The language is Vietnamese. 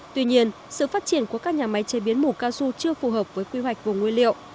tuy nhiên sự phát triển của các nhà máy chế biến mủ cao su chưa phù hợp với quy hoạch vùng nguyên liệu